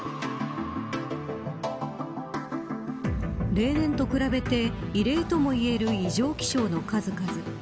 例年と比べて、異例ともいえる異常気象の数々。